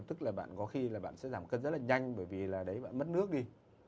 tức là bạn có khi là bạn sẽ giảm cân rất là nhanh bởi vì là đấy bạn mất nước đi